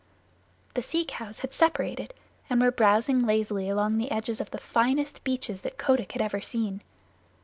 The sea cows had separated and were browsing lazily along the edges of the finest beaches that Kotick had ever seen.